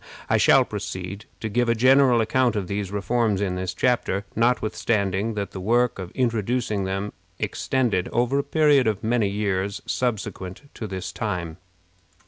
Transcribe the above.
I shall proceed to give a general account of these reforms in this chapter, notwithstanding that the work of introducing them extended over a period of many years subsequent to this time.